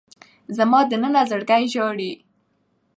زما دننه زړګی ژاړي